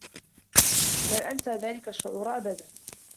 لن أنسى ذلك الشعور أبدا.